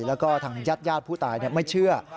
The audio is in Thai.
แล้วก็ทางยาดผู้ตายไม่เชื่อ